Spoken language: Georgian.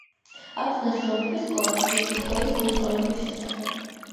აქვს ნაშრომები სკოლაში ისტორიის სწავლების შესახებ.